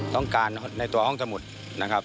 ต้องการในตัวห้องสมุดนะครับ